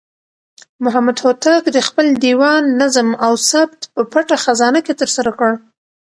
محمد هوتک د خپل دېوان نظم او ثبت په پټه خزانه کې ترسره کړ.